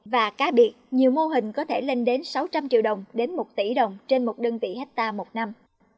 và cá biệt nhiều mô hình có thể lên đến sáu trăm linh triệu đồng đến một tỷ đồng trên một đơn vị ha một năm